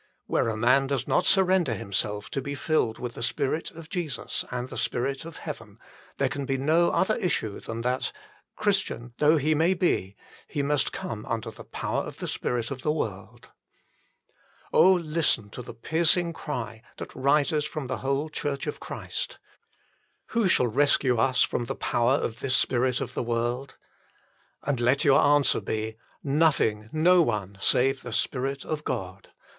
Where a man does not surrender himself to be filled with the Spirit of Jesus and the Spirit of heaven, there can be no other issue than that, Christian though he may be, he must come under the power of the spirit of the world. 1 1 Cor. ii. 12. HOW LITTLE IT IS ENJOYED 55 listen to the piercing cry that rises from the whole Church of Christ :" Who shall rescue us from the power of this spirit of the world ?" And let your answer be :" Nothing, no one, save the Spirit of God.